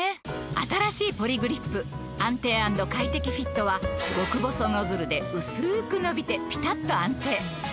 新しいポリグリップ「安定＆快適フィット」は極細ノズルでうすく伸びてピタッと安定！